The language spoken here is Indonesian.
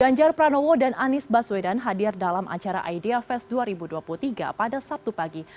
ganjar pranowo dan anies baswedan hadir dalam acara idea fest dua ribu dua puluh tiga pada sabtu pagi